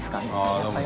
やっぱり。